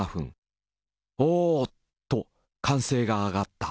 「おおっ！」と歓声が上がった。